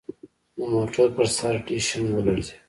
د موټر پر سر ډیش هم ولړزید